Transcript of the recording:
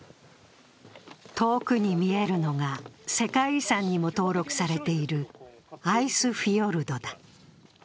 遠くに見えるのが世界遺産にも登録されているアイスフィヨルドだ。